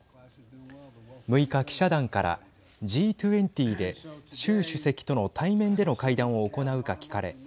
６日、記者団からＧ２０で習主席との対面での会談を行うか聞かれ